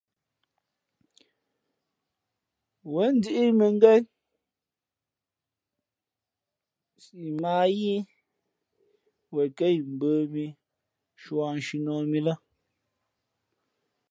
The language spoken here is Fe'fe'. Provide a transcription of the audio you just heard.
Wěn ndíʼ mᾱngén siʼ mα ǎ yíí wen kα̌ imbə̄ mī nshūᾱ nshǐnᾱh mǐ lά.